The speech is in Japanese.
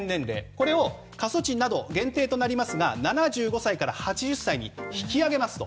これを過疎地など限定となりますが７５歳から８０歳に引き上げますと。